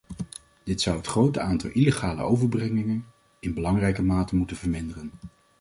Dit zou het grote aantal illegale overbrengingen in belangrijke mate moeten verminderen.